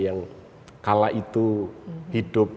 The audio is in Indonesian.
yang kalah itu hidup